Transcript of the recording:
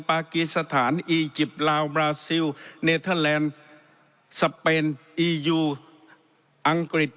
ปากีสถานอียิปต์ลาวบราซิลเนเทอร์แลนด์สเปนอียูอังกฤษ